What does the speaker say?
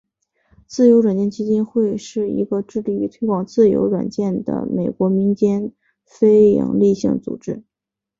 自由软件基金会是一个致力于推广自由软件的美国民间非营利性组织。